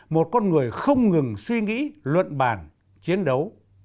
một con người không ngừng suy nghĩ luận bàn chiến đấu